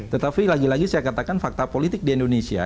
tetapi lagi lagi saya katakan fakta politik di indonesia